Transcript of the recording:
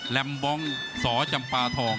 บองสจำปาทอง